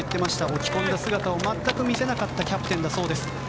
落ち込んだ姿を全く見せなかったキャプテンだそうです。